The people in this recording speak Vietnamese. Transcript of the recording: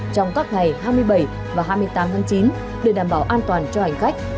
trong các ngày hai mươi bảy và hai mươi tám tháng chín để đảm bảo an toàn cho hành khách